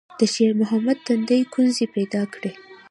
د شېرمحمد تندي ګونځې پيدا کړې.